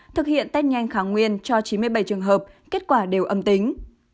thực hiện test nhanh kháng nguyên cho chín mươi bảy trường hợp kết quả đều âm tính